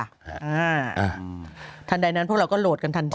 อ่าทันใดนั้นพวกเราก็โหลดกันทันที